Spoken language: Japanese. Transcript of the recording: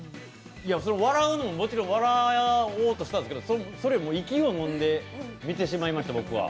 笑うのも笑おうとしたんですけどもそれよりも、息をのんで見てしまいました、僕は。